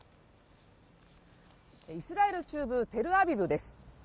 イスラエル中部テルアビブです